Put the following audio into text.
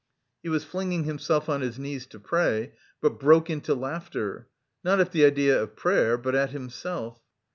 He was flinging himself on his knees to pray, but broke into laughter not at the idea of prayer, but at himself.